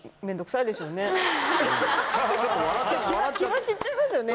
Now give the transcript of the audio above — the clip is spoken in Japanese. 気は散っちゃいますよね。